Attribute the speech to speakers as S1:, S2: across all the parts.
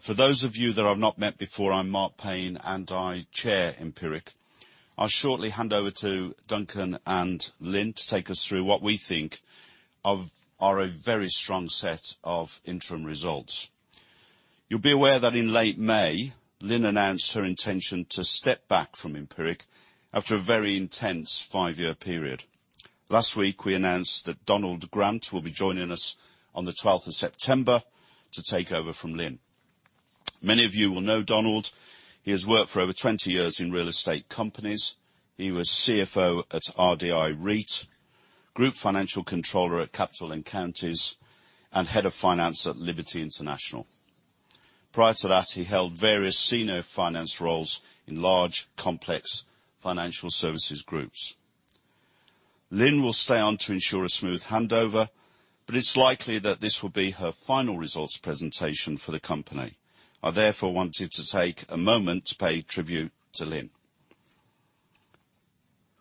S1: For those of you that I've not met before, I'm Mark Pain, and I chair Empiric. I'll shortly hand over to Duncan and Lynn to take us through what we think of our very strong set of interim results. You'll be aware that in late May, Lynn announced her intention to step back from Empiric after a very intense five-year period. Last week, we announced that Donald Grant will be joining us on the twelfth of September to take over from Lynn. Many of you will know Donald. He has worked for over 20 years in real estate companies. He was CFO at RDI REIT, Group Financial Controller at Capital & Counties, and Head of Finance at Liberty International. Prior to that, he held various senior finance roles in large, complex financial services groups. Lynn will stay on to ensure a smooth handover, but it's likely that this will be her final results presentation for the company. I therefore wanted to take a moment to pay tribute to Lynn.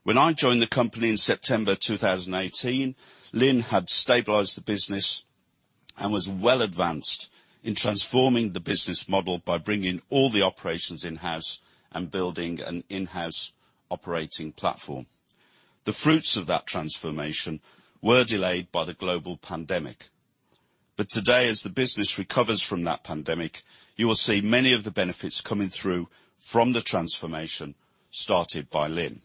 S1: When I joined the company in September 2018, Lynn had stabilized the business and was well advanced in transforming the business model by bringing all the operations in-house and building an in-house operating platform. The fruits of that transformation were delayed by the global pandemic. Today, as the business recovers from that pandemic, you will see many of the benefits coming through from the transformation started by Lynn.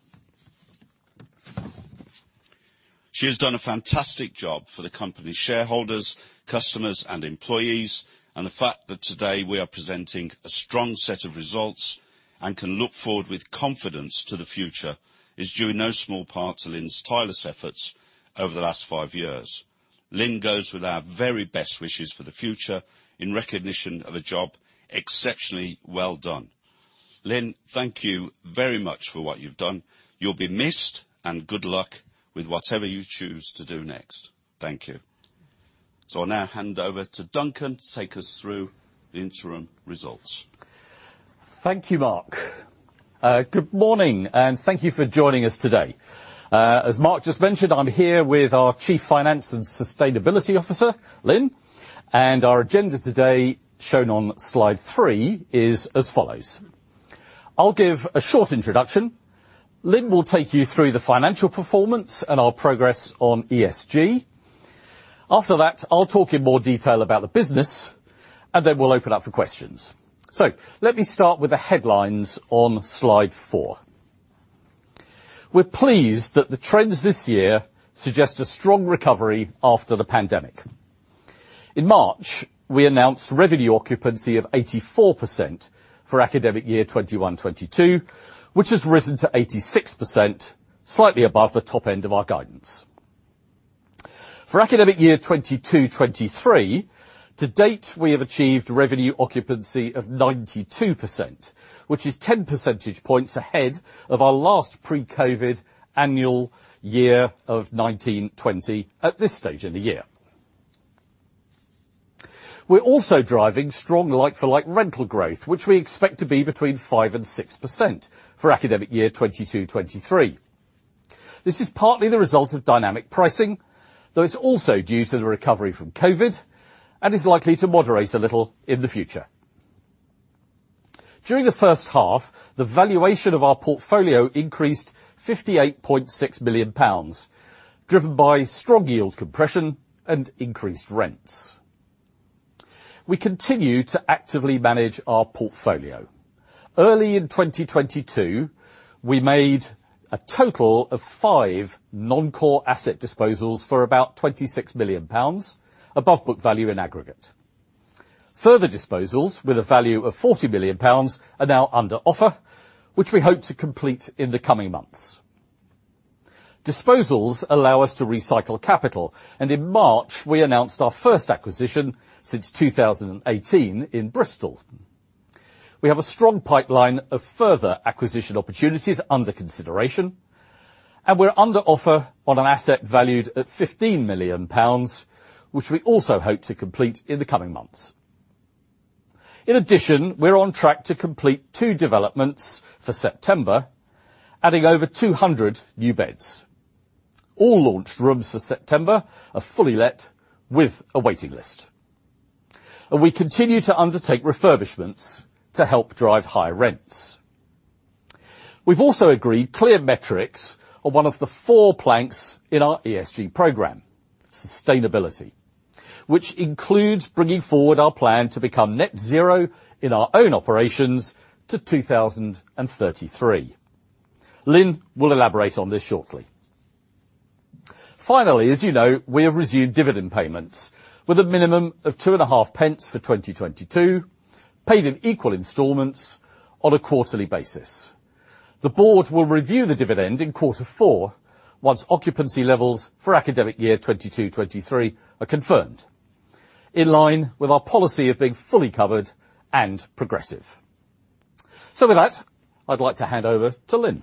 S1: She has done a fantastic job for the company shareholders, customers, and employees, and the fact that today we are presenting a strong set of results and can look forward with confidence to the future is due in no small part to Lynn's tireless efforts over the last five years. Lynn goes with our very best wishes for the future in recognition of a job exceptionally well done. Lynn, thank you very much for what you've done. You'll be missed, and good luck with whatever you choose to do next. Thank you. I'll now hand over to Duncan to take us through the interim results.
S2: Thank you, Mark. Good morning, and thank you for joining us today. As Mark just mentioned, I'm here with our Chief Financial and Sustainability Officer, Lynn, and our agenda today, shown on slide three, is as follows. I'll give a short introduction. Lynn will take you through the financial performance and our progress on ESG. After that, I'll talk in more detail about the business, and then we'll open up for questions. Let me start with the headlines on slide four. We're pleased that the trends this year suggest a strong recovery after the pandemic. In March, we announced revenue occupancy of 84% for academic year 2021-2022, which has risen to 86%, slightly above the top end of our guidance. For academic year 2022-2023 to date, we have achieved revenue occupancy of 92%, which is 10 percentage points ahead of our last pre-COVID annual year of 2019-2020 at this stage in the year. We're also driving strong like-for-like rental growth, which we expect to be between 5% and 6% for academic year 2022-2023. This is partly the result of dynamic pricing, though it's also due to the recovery from COVID, and is likely to moderate a little in the future. During the H1, the valuation of our portfolio increased 58.6 million pounds, driven by strong yield compression and increased rents. We continue to actively manage our portfolio. Early in 2022, we made a total of five non-core asset disposals for about 26 million pounds, above book value in aggregate. Further disposals with a value of 40 million pounds are now under offer, which we hope to complete in the coming months. Disposals allow us to recycle capital, and in March, we announced our first acquisition since 2018 in Bristol. We have a strong pipeline of further acquisition opportunities under consideration, and we're under offer on an asset valued at 15 million pounds, which we also hope to complete in the coming months. In addition, we're on track to complete two developments for September, adding over 200 new beds. All launched rooms for September are fully let with a waiting list. We continue to undertake refurbishments to help drive high rents. We've also agreed clear metrics on one of the four planks in our ESG program, sustainability, which includes bringing forward our plan to become net zero in our own operations to 2033. Lynn will elaborate on this shortly. Finally, as you know, we have resumed dividend payments with a minimum of two and a half pence for 2022, paid in equal installments on a quarterly basis. The board will review the dividend in quarter four once occupancy levels for academic year 2022-2023 are confirmed, in line with our policy of being fully covered and progressive. With that, I'd like to hand over to Lynne.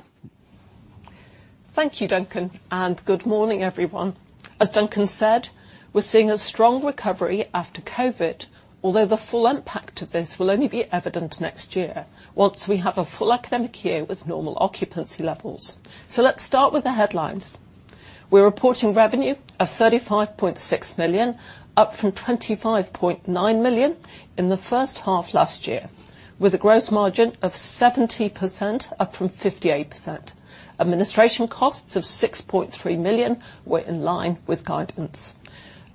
S3: Thank you, Duncan, and good morning, everyone. As Duncan said, we're seeing a strong recovery after COVID, although the full impact of this will only be evident next year once we have a full academic year with normal occupancy levels. Let's start with the headlines. We're reporting revenue of 35.6 million, up from 25.9 million in the H1 last year, with a growth margin of 70%, up from 58%. Administration costs of 6.3 million were in line with guidance.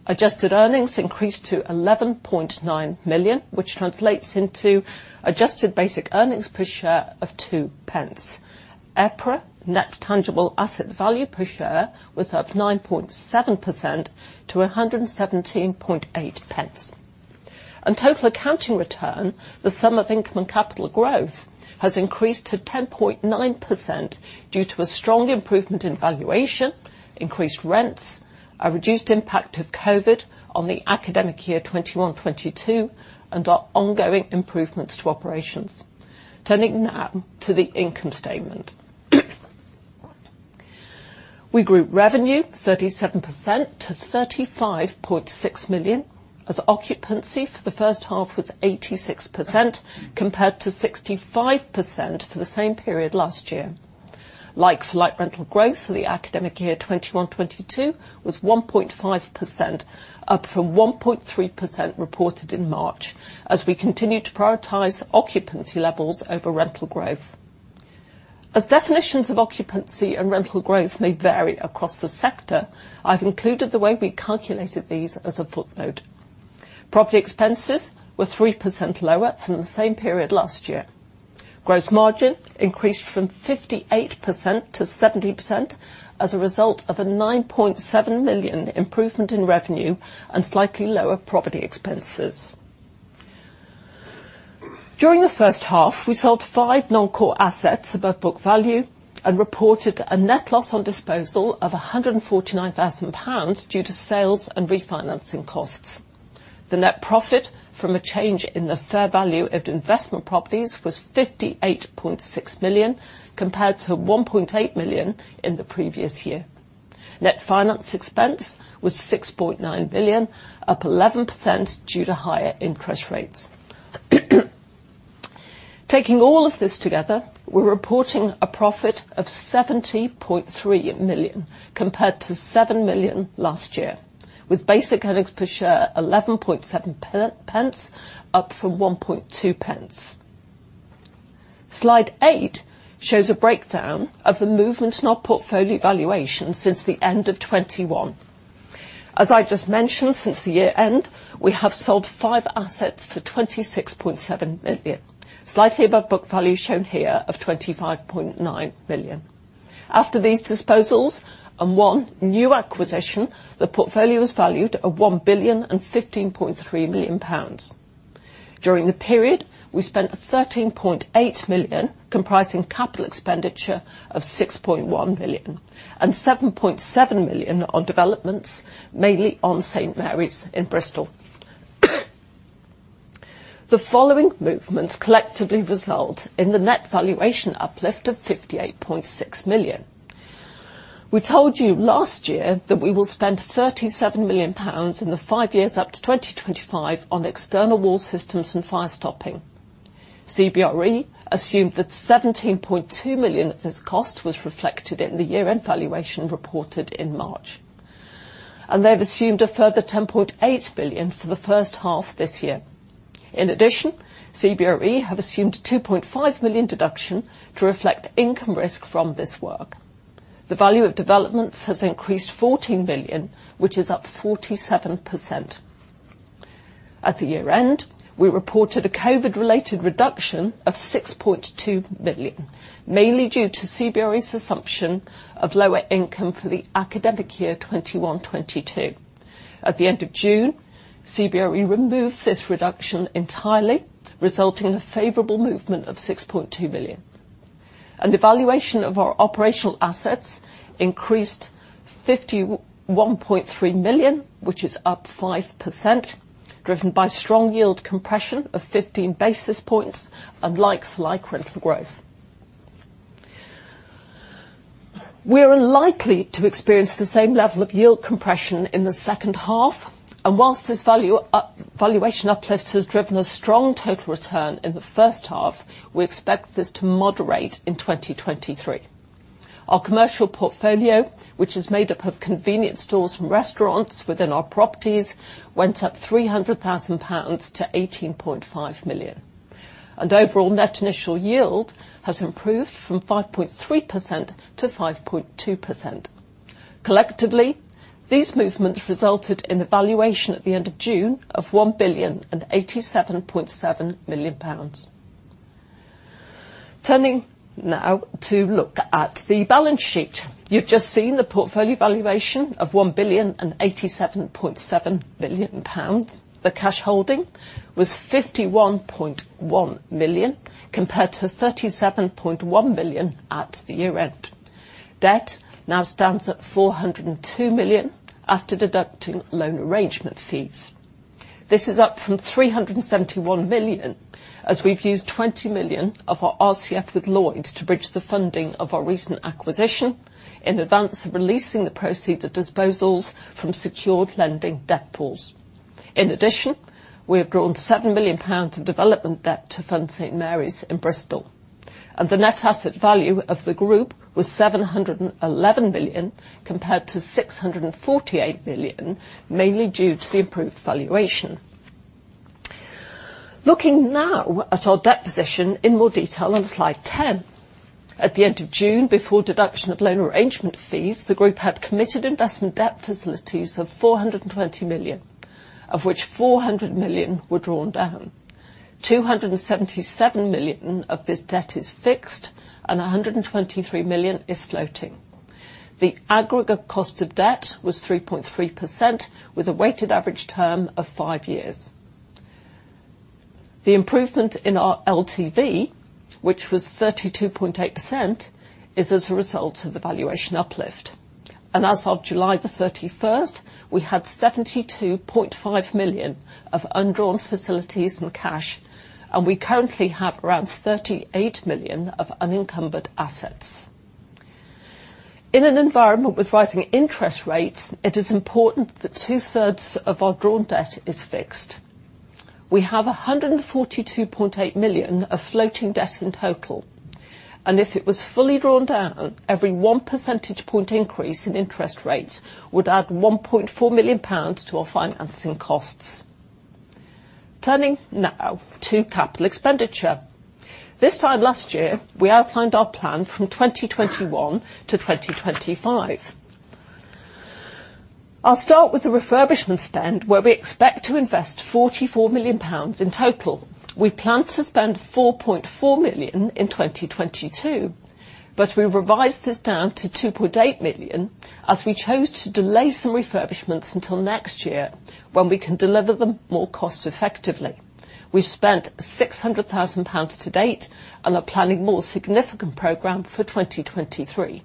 S3: Adjusted earnings increased to 11.9 million, which translates into adjusted basic earnings per share of 2 pence. EPRA net tangible asset value per share was up 9.7% to 117.8 pence. In total accounting return, the sum of income and capital growth has increased to 10.9% due to a strong improvement in valuation, increased rents, a reduced impact of COVID on the academic year 2021-2022, and our ongoing improvements to operations. Turning now to the income statement. We grew revenue 37% to 35.6 million, as occupancy for the H1 was 86%, compared to 65% for the same period last year. Like-for-like rental growth for the academic year 2021-2022 was 1.5%, up from 1.3% reported in March, as we continue to prioritize occupancy levels over rental growth. As definitions of occupancy and rental growth may vary across the sector, I've included the way we calculated these as a footnote. Property expenses were 3% lower than the same period last year. Gross margin increased from 58% to 70% as a result of a 9.7 million improvement in revenue and slightly lower property expenses. During the H1, we sold five non-core assets above book value and reported a net loss on disposal of 149 thousand pounds due to sales and refinancing costs. The net profit from a change in the fair value of investment properties was 58.6 million, compared to 1.8 million in the previous year. Net finance expense was 6.9 million, up 11% due to higher interest rates. Taking all of this together, we're reporting a profit of 70.3 million, compared to 7 million last year, with basic earnings per share 11.7 pence, up from 1.2 pence. Slide 8 shows a breakdown of the movement in our portfolio valuation since the end of 2021. As I just mentioned, since the year-end, we have sold five assets for 26.7 million, slightly above book value shown here of 25.9 million. After these disposals and one new acquisition, the portfolio is valued at 1,015.3 million pounds. During the period, we spent 13.8 million, comprising capital expenditure of 6.1 million and 7.7 million on developments, mainly on St Mary's in Bristol. The following movements collectively result in the net valuation uplift of 58.6 million. We told you last year that we will spend 37 million pounds in the five years up to 2025 on external wall systems and fire stopping. CBRE assumed that 17.2 million of this cost was reflected in the year-end valuation reported in March, and they've assumed a further 10.8 million for the H1 this year. In addition, CBRE have assumed a 2.5 million deduction to reflect income risk from this work. The value of developments has increased 14 million, which is up 47%. At the year-end, we reported a COVID-related reduction of 6.2 million, mainly due to CBRE's assumption of lower income for the academic year 2021-2022. At the end of June, CBRE removed this reduction entirely, resulting in a favorable movement of 6.2 million. The valuation of our operational assets increased 51.3 million, which is up 5%, driven by strong yield compression of 15 basis points and like-for-like rental growth. We are unlikely to experience the same level of yield compression in the H2, and while this valuation uplift has driven a strong total return in the H1, we expect this to moderate in 2023. Our commercial portfolio, which is made up of convenience stores and restaurants within our properties, went up 300 thousand pounds to 18.5 million, and overall net initial yield has improved from 5.3% to 5.2%. Collectively, these movements resulted in a valuation at the end of June of 1,087.7 million pounds. Turning now to look at the balance sheet. You've just seen the portfolio valuation of 1,087.7 million pounds. The cash holding was 51.1 million compared to 37.1 million at the year-end. Debt now stands at 402 million after deducting loan arrangement fees. This is up from 371 million, as we've used 20 million of our RCF with Lloyds to bridge the funding of our recent acquisition in advance of releasing the proceeds of disposals from secured lending debt pools. In addition, we have drawn 7 million pounds of development debt to fund St. Mary's in Bristol. The net asset value of the group was 711 million compared to 648 million, mainly due to the improved valuation. Looking now at our debt position in more detail on slide 10. At the end of June, before deduction of loan arrangement fees, the group had committed investment debt facilities of 420 million, of which 400 million were drawn down. 277 million of this debt is fixed, and 123 million is floating. The aggregate cost of debt was 3.3% with a weighted average term of five years. The improvement in our LTV, which was 32.8%, is as a result of the valuation uplift. As of July 31, we had 72.5 million of undrawn facilities and cash, and we currently have around 38 million of unencumbered assets. In an environment with rising interest rates, it is important that 2/3 of our drawn debt is fixed. We have 142.8 million of floating debt in total, and if it was fully drawn down, every one percentage point increase in interest rates would add 1.4 million pounds to our financing costs. Turning now to capital expenditure. This time last year, we outlined our plan from 2021 to 2025. I'll start with the refurbishment spend, where we expect to invest 44 million pounds in total. We plan to spend 4.4 million in 2022, but we revised this down to 2.8 million, as we chose to delay some refurbishments until next year when we can deliver them more cost-effectively. We've spent 600,000 pounds to date and are planning more significant program for 2023.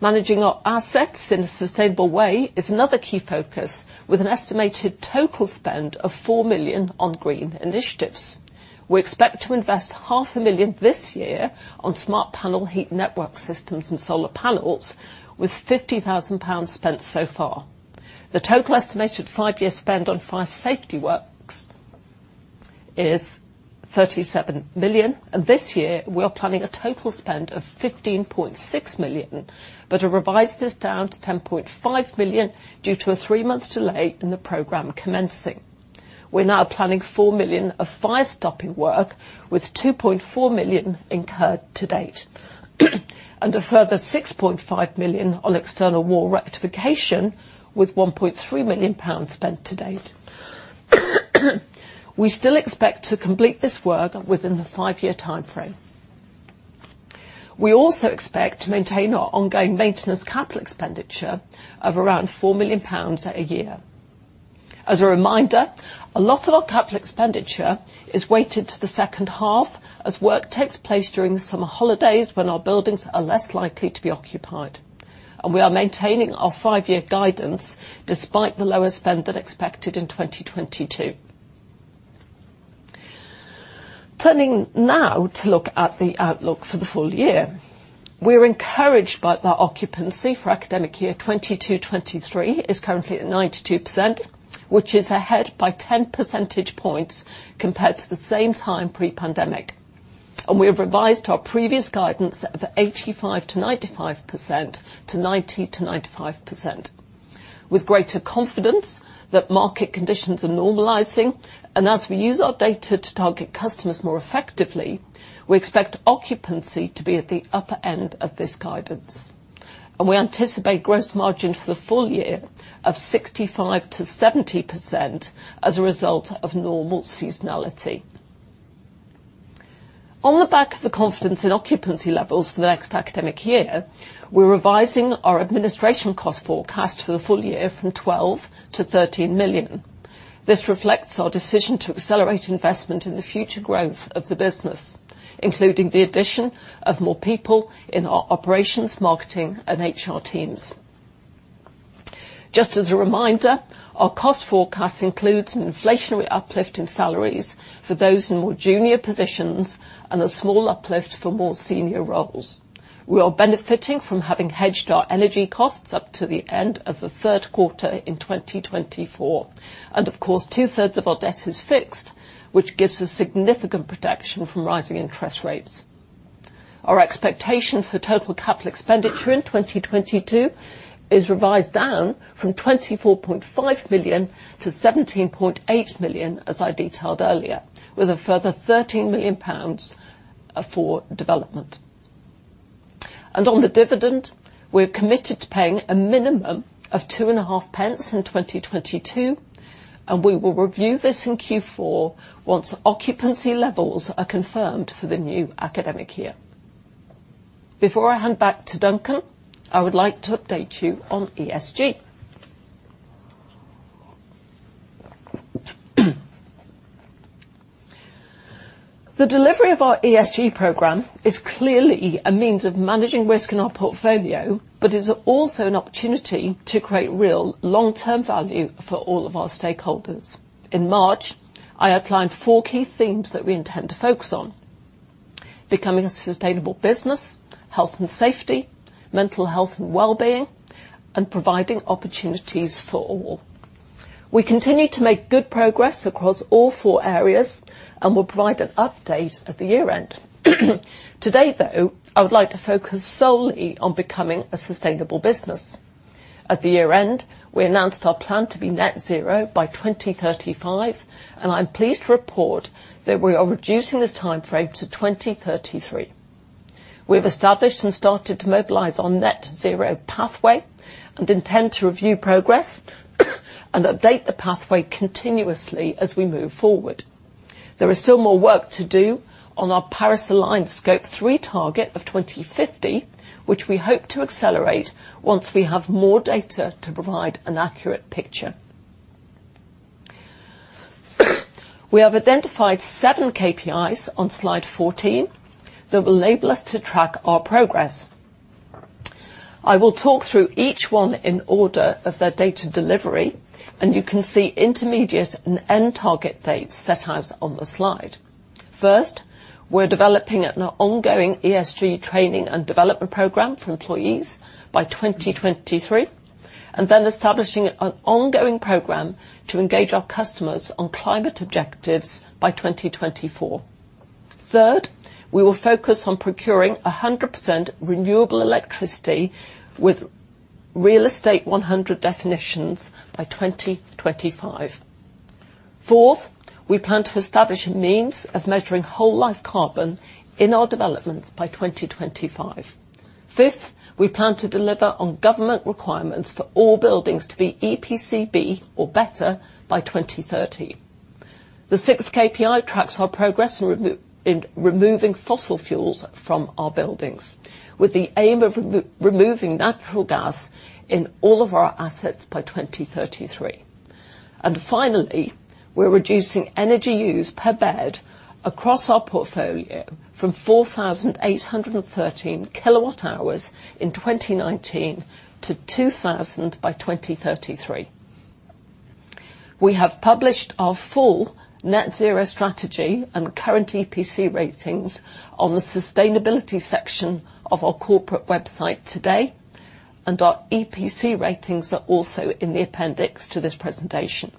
S3: Managing our assets in a sustainable way is another key focus with an estimated total spend of 4 million on green initiatives. We expect to invest GBP half a million this year on smart panel heat network systems and solar panels with 50,000 pounds spent so far. The total estimated 5-year spend on fire safety works is 37 million. This year, we are planning a total spend of 15.6 million, but have revised this down to 10.5 million due to a three-month delay in the program commencing. We're now planning 4 million of fire stopping work with 2.4 million incurred to date. A further 6.5 million on external wall rectification with 1.3 million pounds spent to date. We still expect to complete this work within the five-year timeframe. We also expect to maintain our ongoing maintenance capital expenditure of around 4 million pounds a year. As a reminder, a lot of our capital expenditure is weighted to the H2 as work takes place during the summer holidays when our buildings are less likely to be occupied. We are maintaining our five-year guidance despite the lower spend than expected in 2022. Turning now to look at the outlook for the full year. We're encouraged by our occupancy for academic year 2022/2023 is currently at 92%, which is ahead by 10 percentage points compared to the same time pre-pandemic. We have revised our previous guidance of 85%-95% to 90%-95%. With greater confidence that market conditions are normalizing and as we use our data to target customers more effectively, we expect occupancy to be at the upper end of this guidance. We anticipate gross margin for the full year of 65%-70% as a result of normal seasonality. On the back of the confidence and occupancy levels for the next academic year, we're revising our administration cost forecast for the full year from 12 million-13 million. This reflects our decision to accelerate investment in the future growth of the business, including the addition of more people in our operations, marketing, and HR teams. Just as a reminder, our cost forecast includes an inflationary uplift in salaries for those in more junior positions and a small uplift for more senior roles. We are benefiting from having hedged our energy costs up to the end of the Q3 in 2024. Of course, 2/3 of our debt is fixed, which gives us significant protection from rising interest rates. Our expectation for total capital expenditure in 2022 is revised down from 24.5 million to 17.8 million, as I detailed earlier, with a further 13 million pounds for development. On the dividend, we're committed to paying a minimum of two and a half pence in 2022, and we will review this in Q4 once occupancy levels are confirmed for the new academic year. Before I hand back to Duncan, I would like to update you on ESG. The delivery of our ESG program is clearly a means of managing risk in our portfolio, but is also an opportunity to create real long-term value for all of our stakeholders. In March, I outlined four key themes that we intend to focus on becoming a sustainable business, health and safety, mental health and wellbeing, and providing opportunities for all. We continue to make good progress across all four areas and will provide an update at the year-end. Today, though, I would like to focus solely on becoming a sustainable business. At the year-end, we announced our plan to be net zero by 2035, and I'm pleased to report that we are reducing this timeframe to 2033. We have established and started to mobilize our net zero pathway and intend to review progress and update the pathway continuously as we move forward. There is still more work to do on our Paris-aligned Scope 3 target of 2050, which we hope to accelerate once we have more data to provide an accurate picture. We have identified 7 KPIs on Slide 14 that will enable us to track our progress. I will talk through each one in order of their date of delivery, and you can see intermediate and end target dates set out on the slide. First, we're developing an ongoing ESG training and development program for employees by 2023, and then establishing an ongoing program to engage our customers on climate objectives by 2024. Third, we will focus on procuring 100% renewable electricity with RE100 definitions by 2025. Fourth, we plan to establish means of measuring whole life carbon in our developments by 2025. Fifth, we plan to deliver on government requirements for all buildings to be EPC B or better by 2030. The sixth KPI tracks our progress in removing fossil fuels from our buildings with the aim of removing natural gas in all of our assets by 2033. Finally, we're reducing energy use per bed across our portfolio from 4,813 kWh in 2019 to 2,000 by 2033. We have published our full net zero strategy and current EPC ratings on the sustainability section of our corporate website today, and our EPC ratings are also in the appendix to this presentation.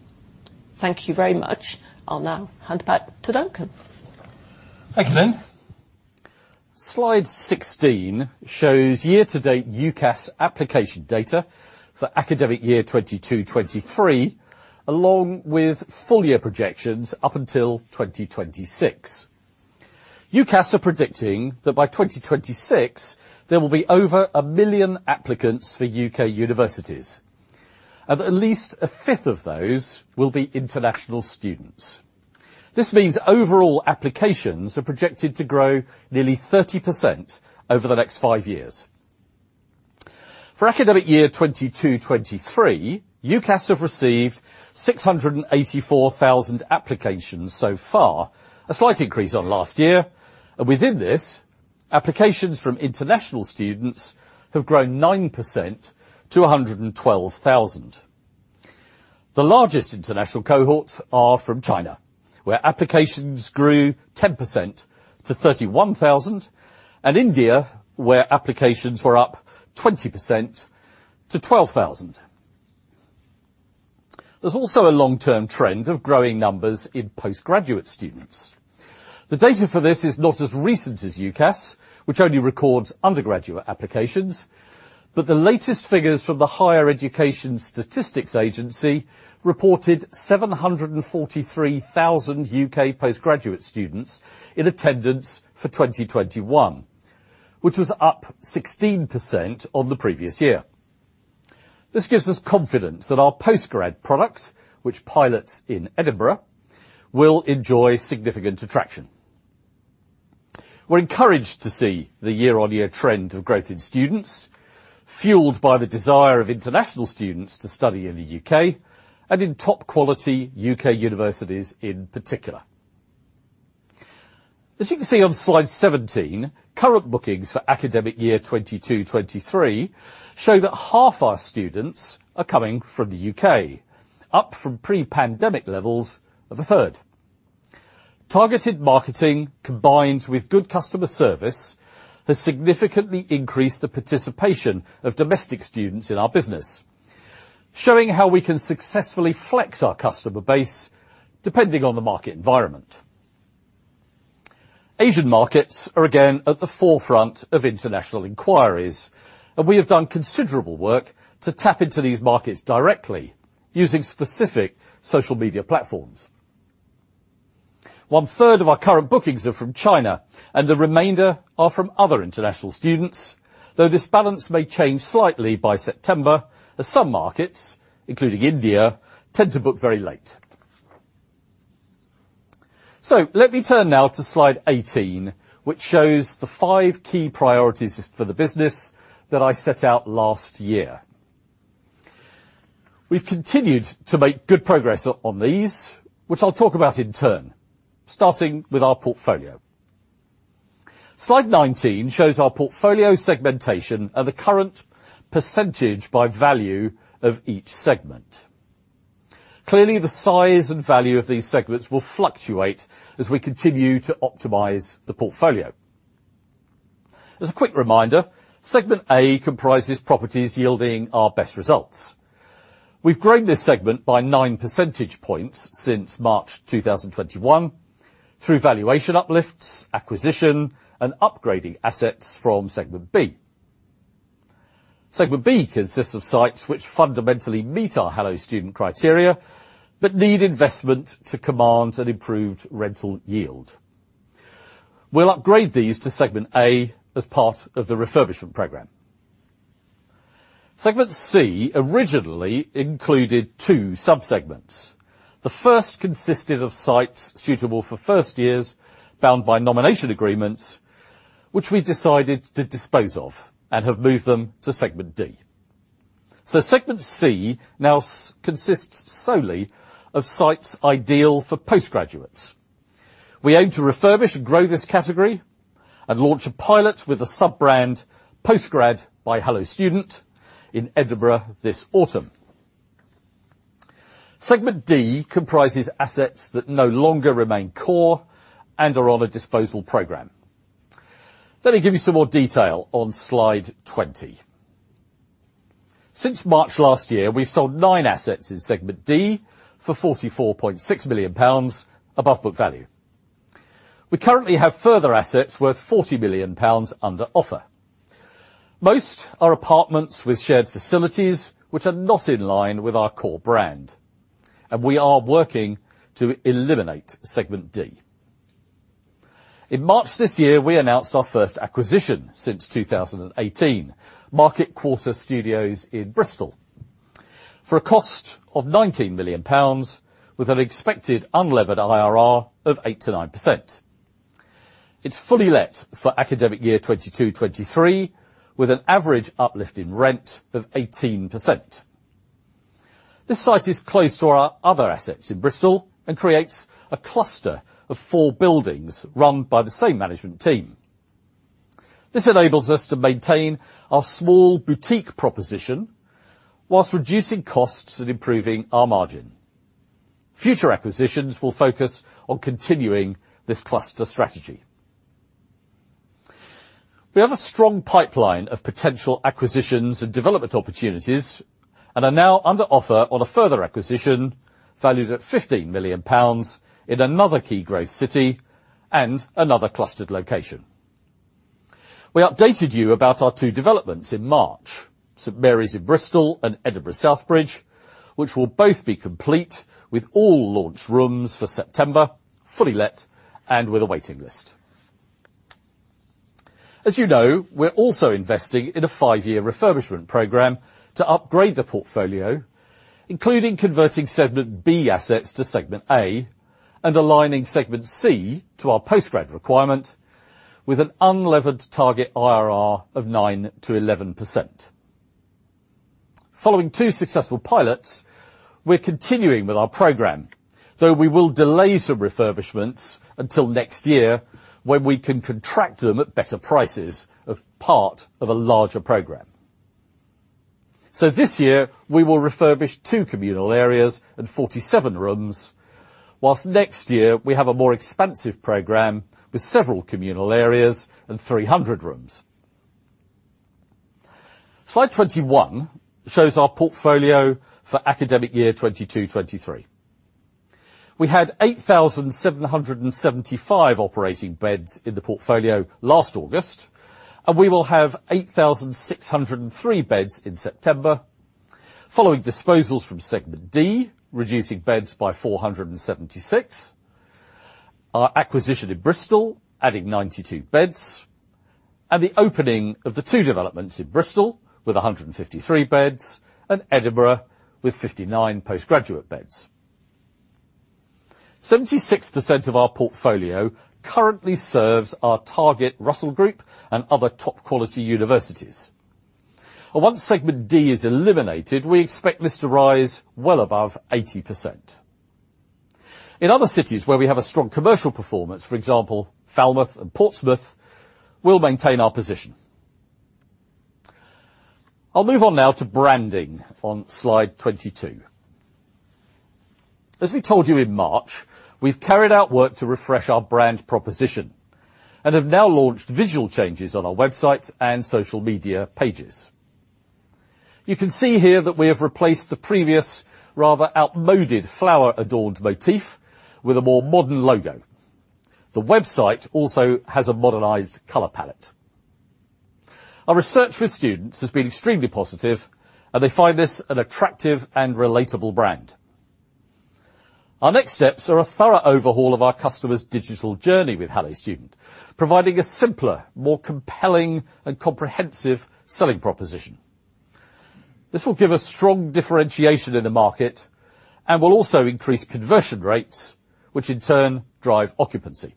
S3: Thank you very much. I'll now hand back to Duncan.
S2: Thank you, Lynn. Slide 16 shows year-to-date UCAS application data for academic year 2022-2023, along with full year projections up until 2026. UCAS are predicting that by 2026, there will be over 1 million applicants for U.K. universities, and at least a fifth of those will be international students. This means overall applications are projected to grow nearly 30% over the next five years. For academic year 2022-2023, UCAS have received 684,000 applications so far, a slight increase on last year. Within this, applications from international students have grown 9% to 112,000. The largest international cohorts are from China, where applications grew 10% to 31,000, and India, where applications were up 20% to 12,000. There's also a long-term trend of growing numbers in postgraduate students. The data for this is not as recent as UCAS, which only records undergraduate applications, but the latest figures from the Higher Education Statistics Agency reported 743,000 U.K. postgraduate students in attendance for 2021, which was up 16% on the previous year. This gives us confidence that our postgrad product, which pilots in Edinburgh, will enjoy significant traction. We're encouraged to see the year-on-year trend of growth in students, fueled by the desire of international students to study in the U.K. and in top-quality U.K. universities in particular. As you can see on slide 17, current bookings for academic year 2022-2023 show that half our students are coming from the U.K., up from pre-pandemic levels of a third. Targeted marketing combined with good customer service has significantly increased the participation of domestic students in our business, showing how we can successfully flex our customer base depending on the market environment. Asian markets are again at the forefront of international inquiries, and we have done considerable work to tap into these markets directly using specific social media platforms. 1/3 of our current bookings are from China, and the remainder are from other international students, though this balance may change slightly by September as some markets, including India, tend to book very late. Let me turn now to slide 18, which shows the five key priorities for the business that I set out last year. We've continued to make good progress on these, which I'll talk about in turn, starting with our portfolio. Slide 19 shows our portfolio segmentation and the current percentage by value of each segment. Clearly, the size and value of these segments will fluctuate as we continue to optimize the portfolio. As a quick reminder, Segment A comprises properties yielding our best results. We've grown this segment by 9 percentage points since March 2021 through valuation uplifts, acquisition, and upgrading assets from Segment B. Segment B consists of sites which fundamentally meet our Hello Student criteria but need investment to command an improved rental yield. We'll upgrade these to Segment A as part of the refurbishment program. Segment C originally included two sub-segments. The first consisted of sites suitable for first years bound by nomination agreements, which we decided to dispose of and have moved them to Segment D. Segment C now consists solely of sites ideal for postgraduates. We aim to refurbish and grow this category and launch a pilot with a sub-brand, Postgrad by Hello Student, in Edinburgh this autumn. Segment D comprises assets that no longer remain core and are on a disposal program. Let me give you some more detail on Slide 20. Since March last year, we've sold 9 assets in Segment D for 44.6 million pounds above book value. We currently have further assets worth 40 million pounds under offer. Most are apartments with shared facilities, which are not in line with our core brand, and we are working to eliminate Segment D. In March this year, we announced our first acquisition since 2018, Market Quarter Studios in Bristol, for a cost of 19 million pounds with an expected unlevered IRR of 8%-9%. It's fully let for academic year 2022-2023 with an average uplift in rent of 18%. This site is close to our other assets in Bristol and creates a cluster of four buildings run by the same management team. This enables us to maintain our small boutique proposition while reducing costs and improving our margin. Future acquisitions will focus on continuing this cluster strategy. We have a strong pipeline of potential acquisitions and development opportunities and are now under offer on a further acquisition valued at 50 million pounds in another key growth city and another clustered location. We updated you about our two developments in March, St Mary's in Bristol and Edinburgh Southbridge, which will both be complete with all launch rooms for September, fully let and with a waiting list. As you know, we're also investing in a five-year refurbishment program to upgrade the portfolio, including converting Segment B assets to Segment A and aligning Segment C to our postgrad requirement with an unlevered target IRR of 9%-11%. Following two successful pilots, we're continuing with our program, though we will delay some refurbishments until next year when we can contract them at better prices as part of a larger program. This year, we will refurbish two communal areas and 47 rooms, whilst next year we have a more expansive program with several communal areas and 300 rooms. Slide 21 shows our portfolio for academic year 2022-2023. We had 8,775 operating beds in the portfolio last August, and we will have 8,603 beds in September, following disposals from Segment D, reducing beds by 476, our acquisition in Bristol adding 92 beds, and the opening of the two developments in Bristol with 153 beds and Edinburgh with 59 postgraduate beds. 76% of our portfolio currently serves our target Russell Group and other top quality universities. Once Segment D is eliminated, we expect this to rise well above 80%. In other cities where we have a strong commercial performance, for example, Falmouth and Portsmouth, we'll maintain our position. I'll move on now to branding on Slide 22. As we told you in March, we've carried out work to refresh our brand proposition and have now launched visual changes on our websites and social media pages. You can see here that we have replaced the previous rather outmoded flower adorned motif with a more modern logo. The website also has a modernized color palette. Our research with students has been extremely positive, and they find this an attractive and relatable brand. Our next steps are a thorough overhaul of our customers' digital journey with Hello Student, providing a simpler, more compelling and comprehensive selling proposition. This will give us strong differentiation in the market and will also increase conversion rates, which in turn drive occupancy.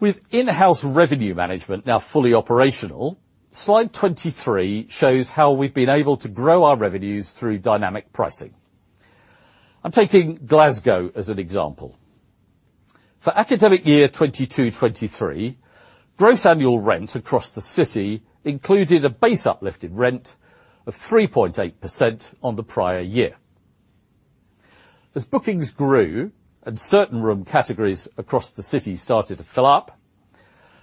S2: With in-house revenue management now fully operational, Slide 23 shows how we've been able to grow our revenues through dynamic pricing. I'm taking Glasgow as an example. For academic year 2022-2023, gross annual rent across the city included a base uplift in rent of 3.8% on the prior year. As bookings grew and certain room categories across the city started to fill up,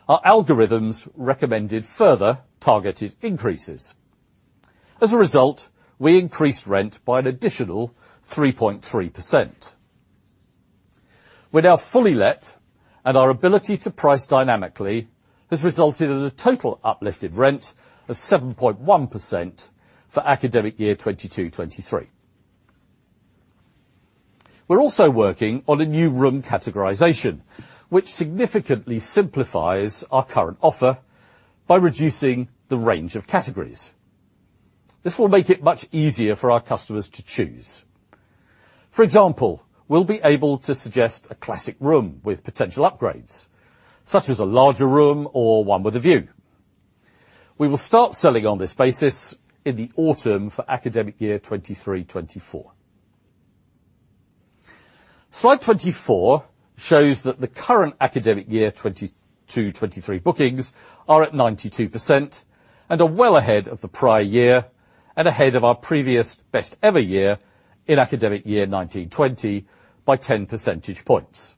S2: our algorithms recommended further targeted increases. As a result, we increased rent by an additional 3.3%. We're now fully let, and our ability to price dynamically has resulted in a total uplifted rent of 7.1% for academic year 2022-2023. We're also working on a new room categorization, which significantly simplifies our current offer by reducing the range of categories. This will make it much easier for our customers to choose. For example, we'll be able to suggest a classic room with potential upgrades, such as a larger room or one with a view. We will start selling on this basis in the autumn for academic year 2023/2024. Slide 24 shows that the current academic year 2022/2023 bookings are at 92% and are well ahead of the prior year, and ahead of our previous best ever year in academic year 2019/2020 by 10% points.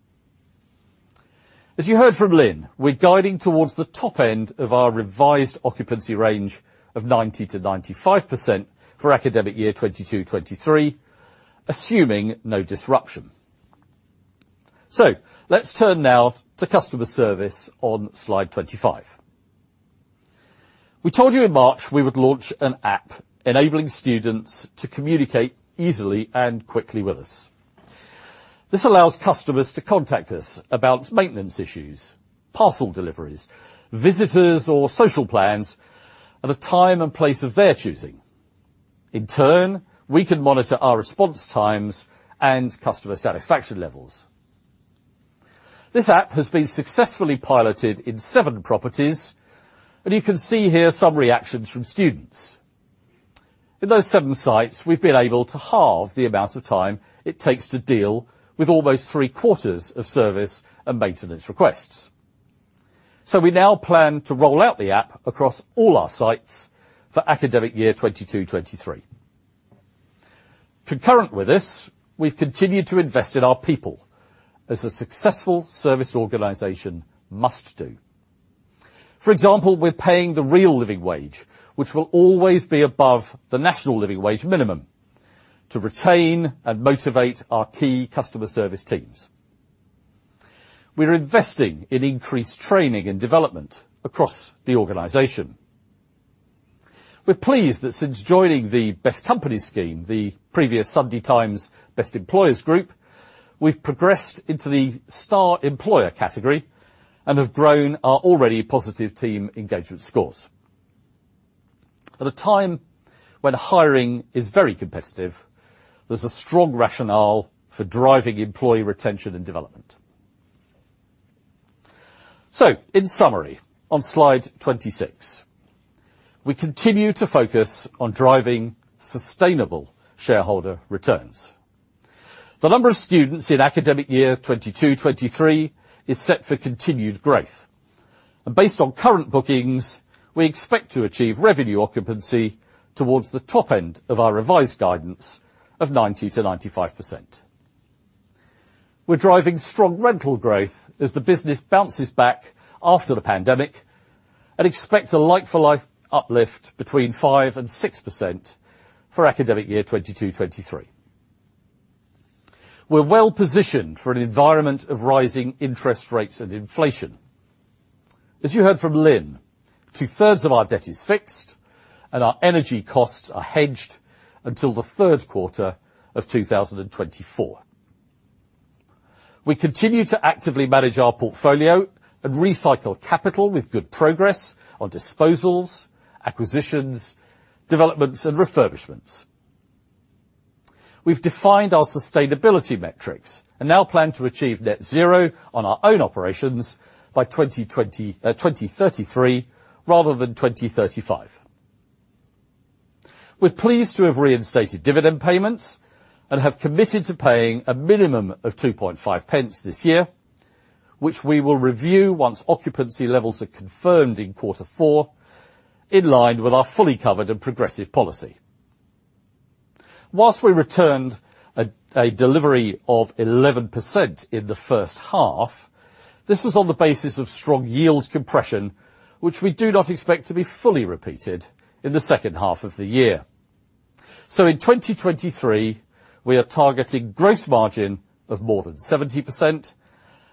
S2: As you heard from Lynne, we're guiding towards the top end of our revised occupancy range of 90%-95% for academic year 2022/2023, assuming no disruption. Let's turn now to customer service on slide 25. We told you in March we would launch an app enabling students to communicate easily and quickly with us. This allows customers to contact us about maintenance issues, parcel deliveries, visitors or social plans at a time and place of their choosing. In turn, we can monitor our response times and customer satisfaction levels. This app has been successfully piloted in seven properties, and you can see here some reactions from students. In those seven sites, we've been able to halve the amount of time it takes to deal with almost three-quarters of service and maintenance requests. We now plan to roll out the app across all our sites for academic year 2022-2023. Concurrent with this, we've continued to invest in our people as a successful service organization must do. For example, we're paying the real living wage, which will always be above the national living wage minimum, to retain and motivate our key customer service teams. We are investing in increased training and development across the organization. We're pleased that since joining the Best Companies scheme, the previous Sunday Times Best Employers group, we've progressed into the star employer category and have grown our already positive team engagement scores. At a time when hiring is very competitive, there's a strong rationale for driving employee retention and development. In summary, on slide 26, we continue to focus on driving sustainable shareholder returns. The number of students in academic year 2022-2023 is set for continued growth. Based on current bookings, we expect to achieve revenue occupancy towards the top end of our revised guidance of 90%-95%. We're driving strong rental growth as the business bounces back after the pandemic and expect a like-for-like uplift between 5% and 6% for academic year 2022-2023. We're well-positioned for an environment of rising interest rates and inflation. As you heard from Lynn, 2/3 of our debt is fixed and our energy costs are hedged until the Q3 of 2024. We continue to actively manage our portfolio and recycle capital with good progress on disposals, acquisitions, developments and refurbishments. We've defined our sustainability metrics and now plan to achieve net zero on our own operations by 2033 rather than 2035. We're pleased to have reinstated dividend payments and have committed to paying a minimum of 2.5 pence this year, which we will review once occupancy levels are confirmed in quarter four in line with our fully covered and progressive policy. While we returned a delivery of 11% in the H1, this was on the basis of strong yield compression, which we do not expect to be fully repeated in the H2 of the year. In 2023, we are targeting gross margin of more than 70%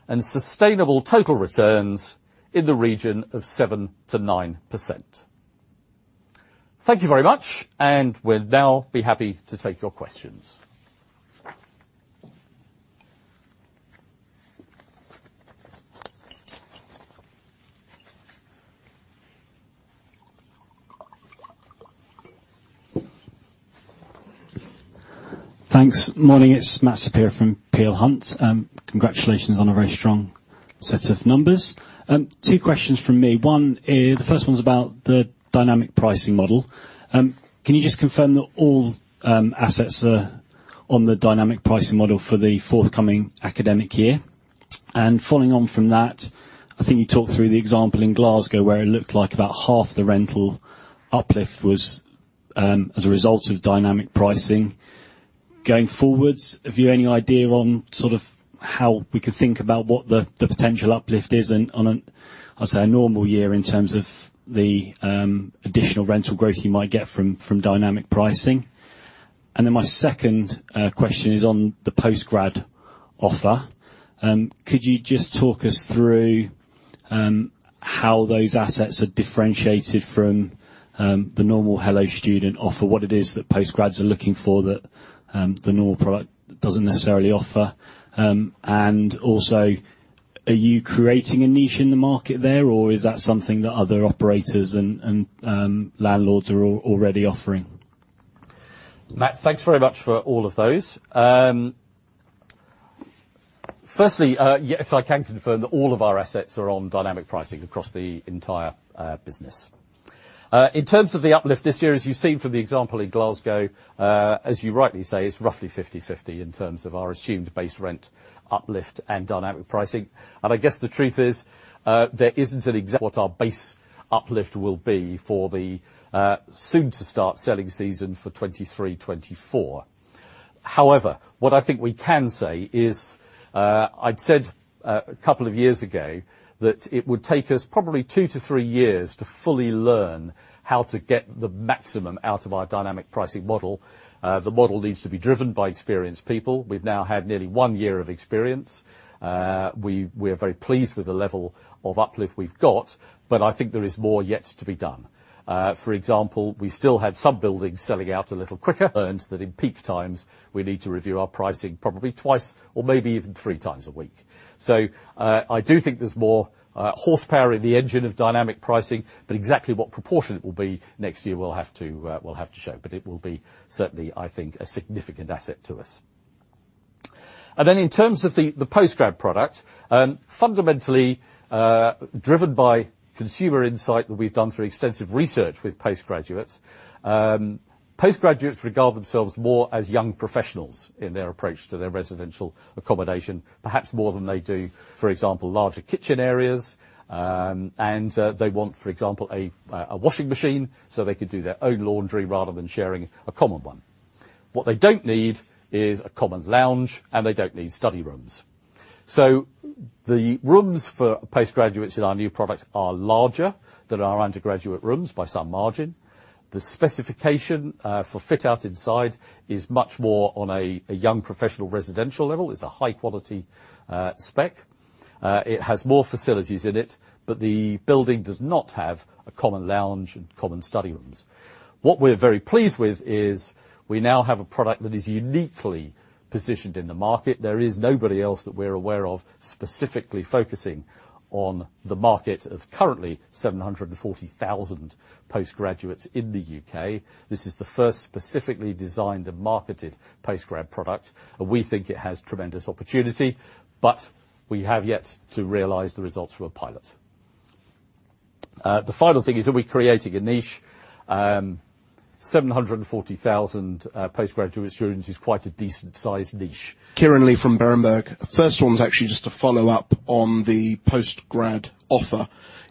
S2: and sustainable total returns in the region of 7%-9%. Thank you very much, and we'll now be happy to take your questions.
S4: Thanks. Morning, it's Matthew Saperia from Peel Hunt, congratulations on a very strong set of numbers. Two questions from me. One, the first one's about the dynamic pricing model. Can you just confirm that all assets are on the dynamic pricing model for the forthcoming academic year? Following on from that, I think you talked through the example in Glasgow, where it looked like about half the rental uplift was as a result of dynamic pricing. Going forwards, have you any idea on sort of how we could think about what the potential uplift is on, I'd say, a normal year in terms of the additional rental growth you might get from dynamic pricing? Then my second question is on the post-grad offer. Could you just talk us through how those assets are differentiated from the normal Hello Student offer, what it is that post-grads are looking for that the normal product doesn't necessarily offer? Also, are you creating a niche in the market there, or is that something that other operators and landlords are already offering?
S2: Matt, thanks very much for all of those. Firstly, yes, I can confirm that all of our assets are on dynamic pricing across the entire business. In terms of the uplift this year, as you've seen from the example in Glasgow, as you rightly say, it's roughly 50/50 in terms of our assumed base rent uplift and dynamic pricing. I guess the truth is, there isn't an exact what our base uplift will be for the soon to start selling season for 2023/2024. However, what I think we can say is, I'd said a couple of years ago that it would take us probably two-three years to fully learn how to get the maximum out of our dynamic pricing model. The model needs to be driven by experienced people. We've now had nearly one year of experience. We are very pleased with the level of uplift we've got, but I think there is more yet to be done. For example, we still had some buildings selling out a little quicker. That in peak times, we need to review our pricing probably twice or maybe even three times a week. I do think there's more horsepower in the engine of dynamic pricing, but exactly what proportion it will be next year, we'll have to show. It will be certainly, I think, a significant asset to us. In terms of the post-grad product, fundamentally driven by consumer insight that we've done through extensive research with postgraduates regard themselves more as young professionals in their approach to their residential accommodation, perhaps more than they do. For example, larger kitchen areas, and they want, for example, a washing machine, so they can do their own laundry rather than sharing a common one. What they don't need is a common lounge, and they don't need study rooms. The rooms for postgraduates in our new product are larger than our undergraduate rooms by some margin. The specification for fit-out inside is much more on a young professional residential level. It's a high-quality spec. It has more facilities in it, but the building does not have a common lounge and common study rooms. What we're very pleased with is we now have a product that is uniquely positioned in the market. There is nobody else that we're aware of specifically focusing on the market. There's currently 740,000 postgraduates in the U.K. This is the first specifically designed and marketed Postgrad product, and we think it has tremendous opportunity, but we have yet to realize the results of a pilot. The final thing is, are we creating a niche? 740,000 postgraduate students is quite a decent size niche.
S5: Kieran Lee from Berenberg. First one is actually just a follow-up on the post-grad offer.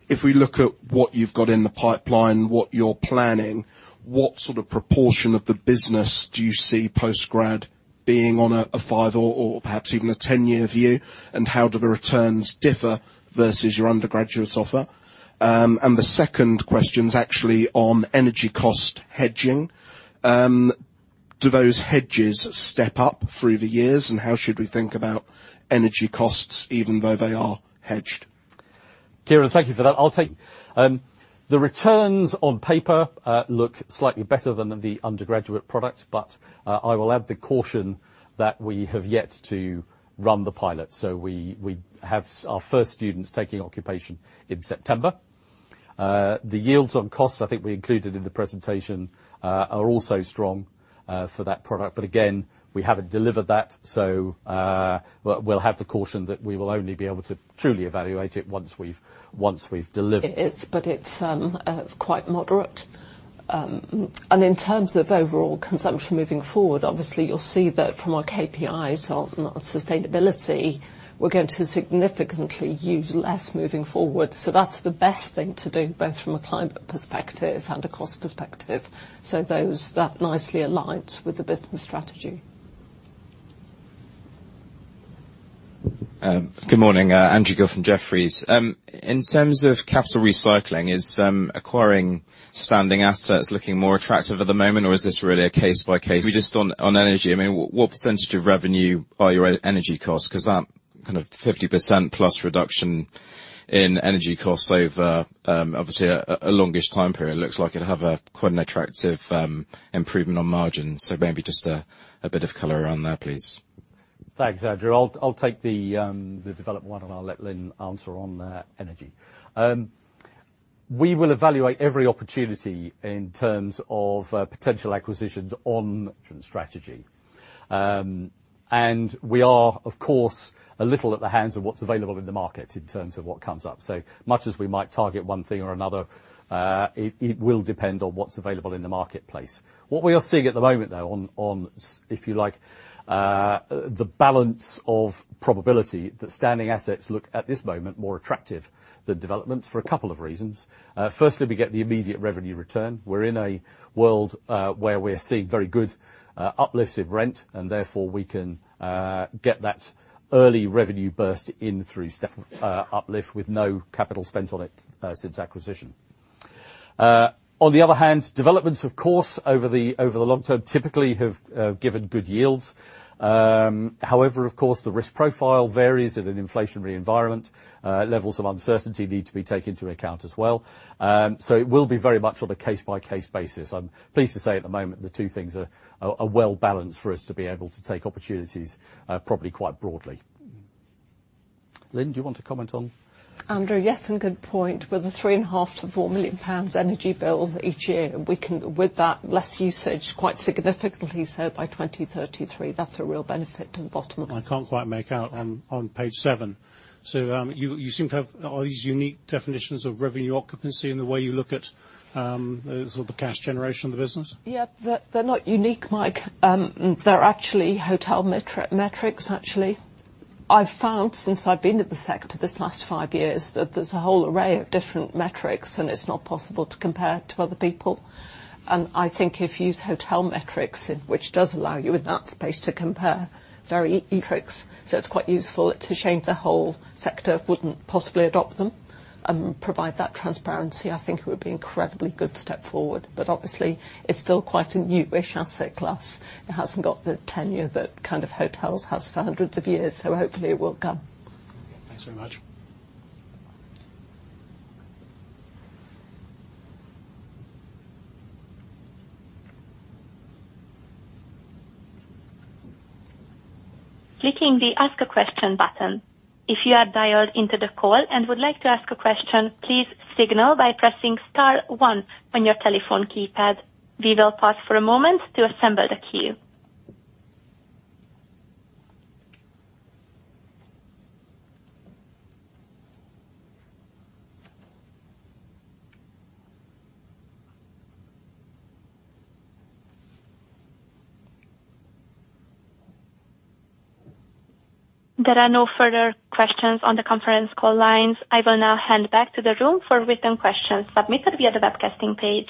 S5: If we look at what you've got in the pipeline, what you're planning, what sort of proportion of the business do you see post-grad being on a five- or perhaps even a 10-year view? How do the returns differ versus your undergraduate offer? The second question is actually on energy cost hedging. Do those hedges step up through the years? How should we think about energy costs even though they are hedged?
S2: Kieran, thank you for that. I'll take the returns on paper look slightly better than the undergraduate product, but I will add the caution that we have yet to run the pilot, so we have our first students taking occupation in September. The yields on costs, I think we included in the presentation, are also strong for that product. But again, we haven't delivered that, so we'll have the caution that we will only be able to truly evaluate it once we've delivered.
S3: It's quite moderate. In terms of overall consumption moving forward, obviously you'll see that from our KPIs on sustainability, we're going to significantly use less moving forward. That's the best thing to do, both from a climate perspective and a cost perspective. That nicely aligns with the business strategy.
S6: Good morning. Andrew Gill from Jefferies. In terms of capital recycling, is acquiring standing assets looking more attractive at the moment, or is this really a case-by-case? Just on energy, I mean, what percentage of revenue are your energy costs? 'Cause that kind of 50%+ reduction in energy costs over obviously a long-ish time period looks like it'll have a quite an attractive improvement on margins. Maybe just a bit of color around there, please.
S2: Thanks, Andrew. I'll take the development one, and I'll let Lynn answer on energy. We will evaluate every opportunity in terms of potential acquisitions on strategy, and we are, of course, a little at the hands of what's available in the market in terms of what comes up. As much as we might target one thing or another, it will depend on what's available in the marketplace. What we are seeing at the moment though on, if you like, the balance of probability, that standing assets look, at this moment, more attractive than developments for a couple of reasons. Firstly, we get the immediate revenue return. We're in a world where we're seeing very good uplifts in rent, and therefore, we can get that early revenue burst in through step uplift with no capital spent on it since acquisition. On the other hand, developments, of course, over the long term, typically have given good yields. However, of course, the risk profile varies in an inflationary environment. Levels of uncertainty need to be taken into account as well. It will be very much on a case-by-case basis. I'm pleased to say at the moment, the two things are well-balanced for us to be able to take opportunities, probably quite broadly. Lynn, do you want to comment on?
S3: Andrew, yes, good point. With a 3.5 million-4 million pounds energy bill each year, with that less usage, quite significantly so by 2033. That's a real benefit to the bottom line.
S7: I can't quite make out on page seven. You seem to have all these unique definitions of revenue occupancy and the way you look at the sort of cash generation of the business.
S3: Yeah. They're not unique, Mike. They're actually hotel metrics, actually. I've found, since I've been in the sector this last five years, that there's a whole array of different metrics, and it's not possible to compare to other people. I think if you use hotel metrics, it, which does allow you in that space to compare various metrics, so it's quite useful. It's a shame the whole sector wouldn't possibly adopt them and provide that transparency. I think it would be incredibly good step forward. Obviously, it's still quite a new-ish asset class. It hasn't got the tenure that kind of hotels has for hundreds of years, so hopefully it will come.
S7: Thanks very much.
S8: Clicking the Ask a Question button. If you are dialed into the call and would like to ask a question, please signal by pressing star one on your telephone keypad. We will pause for a moment to assemble the queue. There are no further questions on the conference call lines. I will now hand back to the room for written questions submitted via the webcasting page.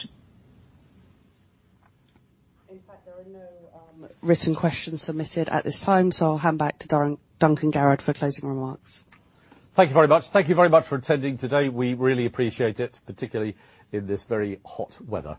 S1: In fact, there are no written questions submitted at this time, so I'll hand back to Duncan Garrood for closing remarks.
S2: Thank you very much. Thank you very much for attending today. We really appreciate it, particularly in this very hot weather.